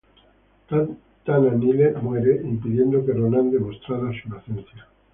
Tana Nile muere, impidiendo que Ronan demostrara su inocencia.